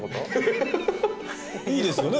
いいですよね？